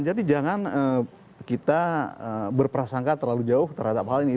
jadi jangan kita berprasangka terlalu jauh terhadap hal ini